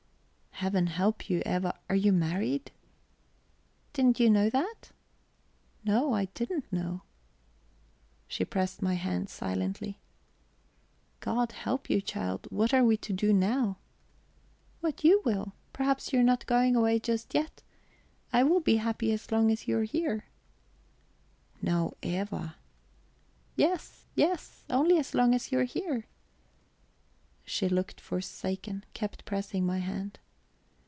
"Heaven help you, Eva, are you married?" "Didn't you know that?" "No, I didn't know." She pressed my hand silently. "God help you, child, what are we to do now?" "What you will. Perhaps you are not going away just yet; I will be happy as long as you are here." "No, Eva." "Yes, yes only as long as you are here." She looked forsaken, kept pressing my hand.